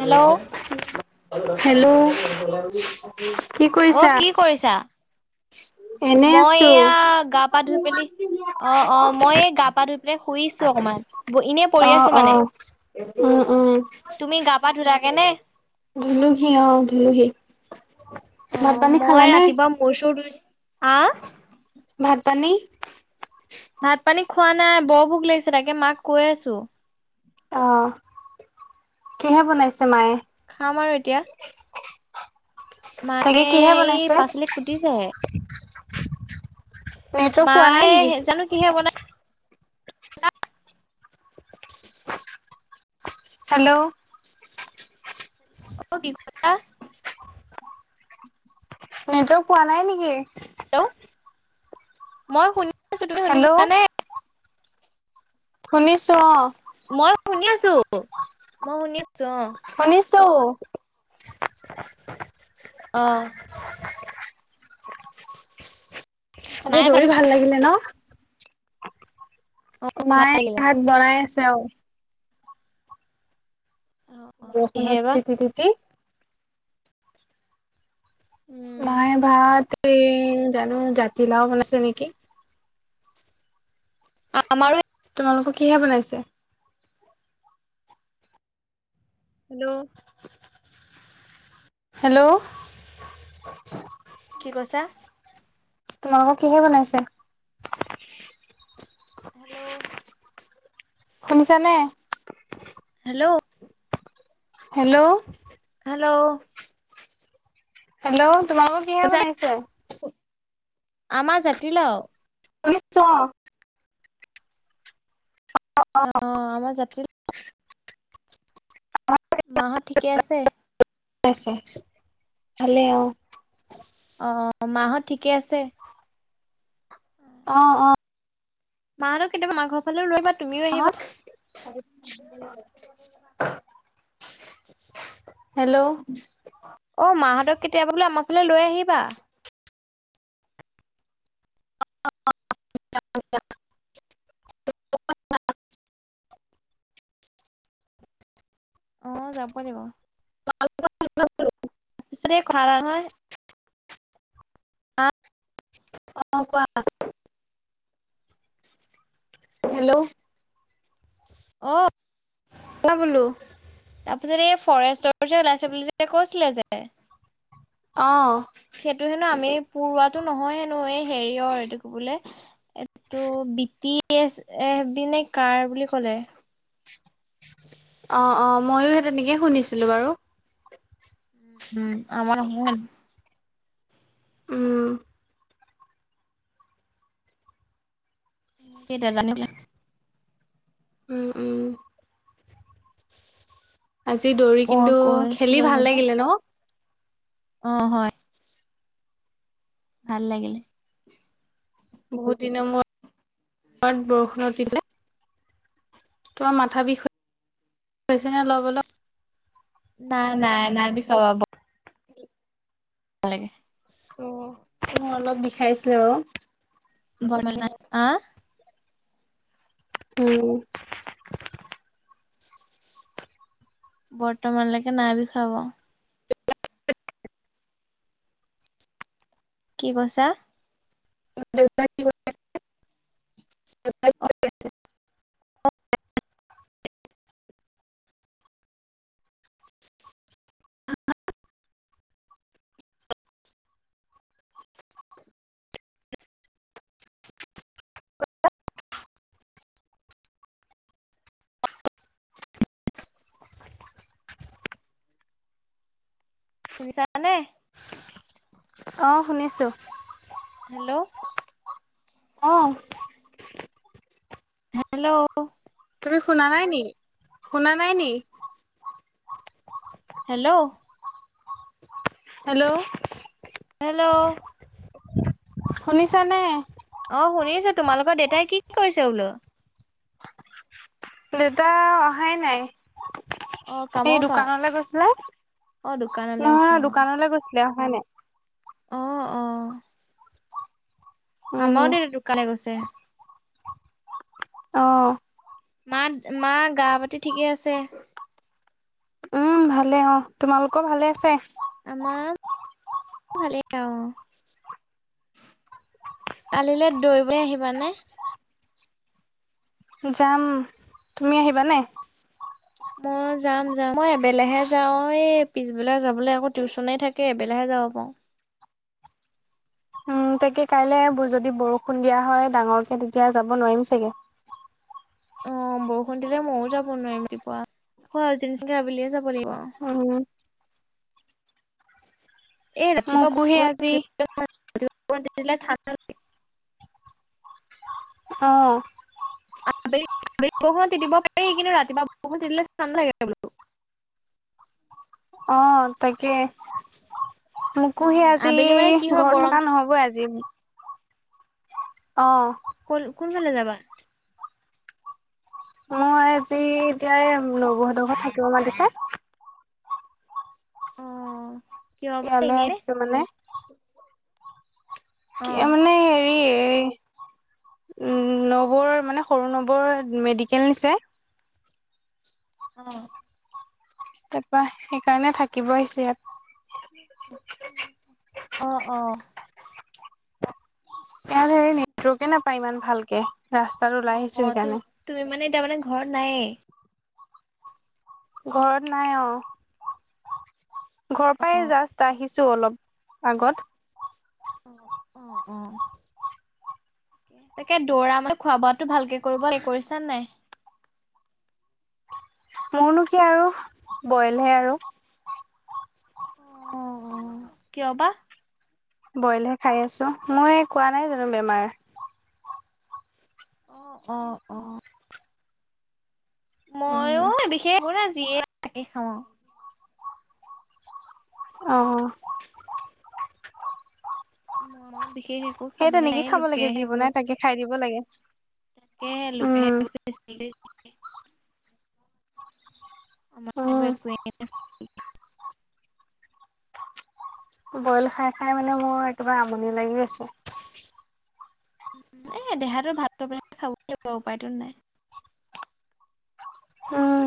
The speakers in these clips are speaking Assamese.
হেল্ল' হেল্ল' কি অ' কৰিছা? কি কৰিছা? [unintelligible] মই আছো। এইয়া গা পা ধুই পেলি, অ'অ' মই এই গা পা ধুই- এনেই শুইছো অকমান, এনেই পৰি আছো অ', মানে। অ', উম, উম, তুমি গা পা ধুলাগে নে? ধুলুহি অঁ' ধুলুহি। ভাত অঁ' পানী মই খালানে? ৰাতিপুৱা মোৰ চুৰ ধুইছিলো, আঁ! ভাত পানী? ভাত পানী খোৱা নাই বৰ ভোক লাগিছে তাকে মাক কৈ আছো। অঁ' কি বনাইছে মায়ে? খাম আৰু এতিয়া। তাকে মায়ে কিহে এই বনাইছে? পাচলি কুটিছেহে। নেটৱৰ্ক পোৱা নাই মায়ে, নেকি? জানো কিহে বনাই? হেল্লৌ' অও' কি কলা? নেটৱৰ্ক পোৱা নাই নেকি? হেল্লৌ' মই শুনি আছোঁ। তুমি হেল্ল' শুনিছানে? শুনিছোঁ, অঁ। মই শুনি আছোঁ, মই শুনি আছোঁ, অঁ। শুনিছোঁ। অঁ। আজি মায়ে ভাত দৌৰি ভাল লাগিলে ন? মায়ে ভাত বনাই আছে, অঁ। অ', অ'। কিহে বা? বৰষুণত তিতি, তিতি। উম। মায়ে ভাত, এই‌ জানো জাতিলাও বনাইছে নেকি? অঁ, আমাৰো এ- তোমালোকৰ কিহে বনাইছে? হেল্লৌ', হেল্লৌ' কি কৈছা? তোমালোকৰ কিহে বনাইছে? হেল্লৌ' শুনিছানে? হেল্লৌ' হেল্লৌ' হেল্লৌ' হেল্লৌ' তোমালোকৰ- কিহে শুনিছানে, বনাইছে আমা জাতিলাও। শুনিছোঁ, অঁ। অঁ, আমাৰ জাতি- আমাৰ যে- মাহঁত ঠিকে আছে? [unintelligible] আছে, ভালে অঁ। অঁ, মাহঁত ঠিকে আছে? অঁ, অঁ। মাহঁতক কেতিয়াবা আমাৰ ঘৰ ফালেও লৈ আহিবা। তুমিও আহিবা। মাহঁত- হেল্লৌ'। অ, মা হঁতক কেতিয়াবা বোলো আমাৰ ফালে লৈ আহিবা। [inaudible] অ, যাব লাগিব। [inaudible] পিছে, এই কথা এটা নহয়? অঁ, কোৱা, হেল্ল'। অ'। [unintelligible] বোলো। তাৰপিছত, এই ফৰেষ্টৰ যে, ওলাইছে বুলি যে, কৈছিলে যে। অ'। সেইটো হেনো আমি পূৰোৱাটো নহয় হেনো, এই হেৰিয়ৰ এইটো কি বোলে? এইটো B T S, F B নে কাৰ বুলি ক'লে। অ', অ', মইয়ো সেই তেনেকে শুনিছিলোঁ বাৰু। উম আমাৰ হ উম সি নেজানিলে। উম, উম। আজি দৌৰি মই কিন্তু খেলি কৈছিলো। ভাল যে লাগিলে ন অ, হয়। ভাল লাগিলে। বহুত দিনৰ মোৰত, বৰষুণ তিতিল। তোমাৰ মাথা বিষ হৈছে নে অলব অলপ। নাই, নাই, নাই বি খাবাব ভাল লাগে। ত তোৰ অলপ বিষাইছিলে বাৰু ব [unintelligible] আ। উম। বৰ্তমানলৈকে নাই বিষুৱ বাৰু। কি কৈছা? তোমাৰ দেউতাই [unintelligible] [unintelligible] শুনিছা নে? অ, শুনিছোঁ। হেল্ল'। অ'। হেল্ল'। তুমি শুনা নাই নি? শুনা নাই নি? হেল্ল'। হেল্ল'। হেল্ল'। শুনিছা নে? অ, শুনিছো তোমালোকৰ দেউেতাই কি কৰিছে বোলো? দেউতাই অহাই নাই। অ' এই কামৰ পৰা দোকানলৈ গৈছিলে, অ' দোকানলৈ গৈছে নহয় অ' দোকানলৈ গৈছিল। বেয়া হয় নাই? অ, অ। উম, আমাৰও দে দোকানে গৈছে। অ'। মা, মা গা পাতি ঠিকেই আছে? উম, ভালে অঁ, তোমালোকৰ ভালে আছে? আমাৰ ভালেই আৰু অঁ। কালিলৈ দৈৰিবলৈ আহিবানে? যাম। তুমি আহিবা নাই? মই যাম যাম। মই এবেলাহে যাওঁ এই পিছবেলা যাবলৈ আকৌ টিউশচনেই থাকে। এবেলহে যাব পাৰো। উম তাকে কাইলৈ যদি বৰষুণ দিয়া হয়। ডাঙৰকে তেতিয়া যাব নোৱাৰিম চাগে। অঁ, বৰষুণ দিলে মইও যাব নোৱাৰিম। ৰাতিপুৱা আজি নিচিনকে আবেলিয়ে যাব লাগিব আও উম এ ৰাতিপুৱা ব মোকো সেই আজি [unintelligible] অঁ। আবেলি আবেলিৰ বৰষুণটো তিতিব পাৰি কিন্তু ৰাতিপুৱা বৰষুণ তিতিলে ঠাণ্ডা লাগে বোলো। অ, তাকে। মোকো উম, হেই আজি আবেলি মানে কি হয় ঘৰত থকা গৰমটো নহবই আজি। অঁ। কো কোন ফালে যাবা? মই আজি এতিয়া এই নবৌ হ'তৰ ঘৰত থাকিব মাতিছে। অ' কিয় বা এয়ালে এনে আহিছো মানে। কিয় অ' মানে আজি এই নবৌৰ মানে সৰু নবৌৰ মানে মেডিকেল নিছে। অ'। তাৰপৰা সেইকাৰণে থাকিব আহিছো ইয়াত। অ অ। ইয়াত হেৰি নেটৱৰ্কে নাপায় ইমান ভালকে, ৰাস্তালৈ ওলাই অ' আহিছো অ' সেইকাৰণে। তুমি মানে এতিয়া মানে ঘৰত নাইয়ে? ঘৰ নাই অঁ। ঘৰৰ পৰা এই অ' জাষ্ট আহিছো অলপ আগত। অ', অ', অ'। তাকে দৌৰা মানে খোৱা বোৱাটো ভালকে কৰিব লাগে কৰিছা নে নাই? মোৰনো কি আৰু, বইলহে আৰু। অ' কিয় বা? বইলহে খাই আছো, মই কোৱা নাই জানো বেমাৰ। অ', অ'। উম মইয়ো বিশেস একো নাই আৰু, যিয়ে পাওঁ তাকে খাওঁ আৰু। অঁহ। আমাৰো বিশেষ সেই খাবলৈ তেনেকে নাই খাব লোকে লাগে, যি সেইবোৰ বনাই তাকে খাই দিব লাগে। তাকে লোকে উম। [unintelligible] আমাৰ আক উম, একোৱে নাই। বইল খাই খাই মানে মোৰ একেবাৰে আমনি লাগি গৈছে। এ দেহাটো ভাল কৰিবলৈ খাবৈ লাগিব, উপায়তো নাই। উম,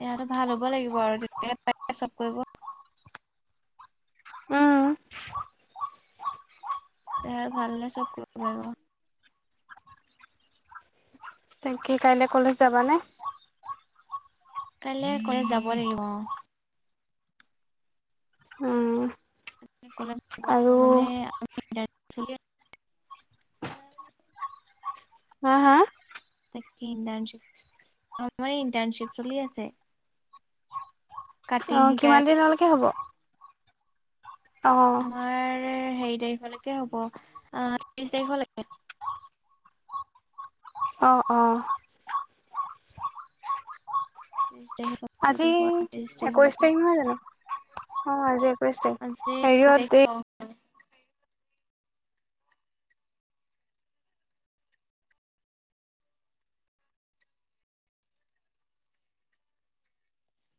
দেহাতো ভাল হ'ব লাগিব আৰু, তেতিয়াহে পাৰি চব কৰিব। উম, দেহা ভাল হ'লে চব কৰিব পাৰিব। বাকী কাইলৈ কলেজ যাবা নে? কাইলৈ কলেজ যাব লাগিব। অ'! উম, কলেজ যাব লাগিব। আৰু মানে, হা, হা? তাকে ইণ্টাৰ্ণশ্বিপ, আমাৰ ইণ্টাৰ্ণশ্বিপ চলি আছে। কাটিং অ'! শিকাই কিমান আছে দিনলৈকে হ'ব? অ', আমাৰ সেৰি তাৰিখলৈকে হ'ব, অ'! ত্ৰিশ তাৰিখলৈকে। অ'! অ'! ত্ৰিশ আজি, তাৰিখৰ পৰা ত্ৰিশ একৈশ তাৰিখলৈকে তাৰিখ নহয় জানোঁ? অ'! আজি একৈশ তাৰিখ। আজি সেৰিয়ত, দে [unintelligible]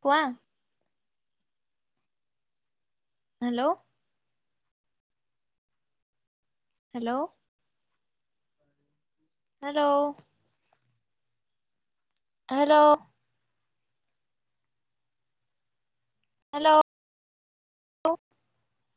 কোৱা? Hello? Hello? Hello? Hello? Hello?